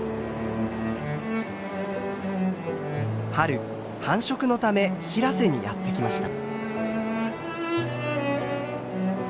春繁殖のため平瀬にやって来ました。